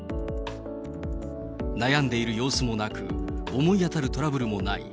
悩んでいる様子もなく、思い当たるトラブルもない。